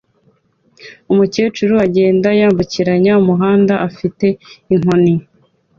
Umukecuru agenda yambukiranya umuhanda afite inkoni